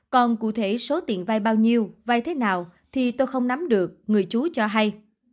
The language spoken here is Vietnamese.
còn cụ thể số tiền vai bao nhiêu vay thế nào thì tôi không nắm được người chú cho hay